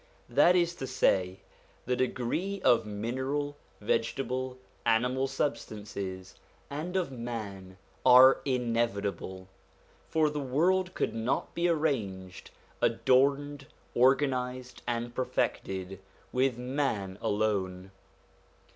That is to say, the degree of mineral, vegetable, animal substances, and of man, are in evitable ; for the world could not be arranged, adorned, organised, and perfected with man alone.